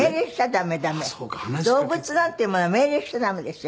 動物なんていうものは命令しちゃ駄目ですよ。